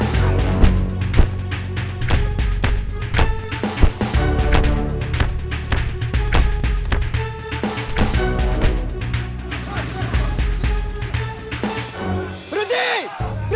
nanti lah semua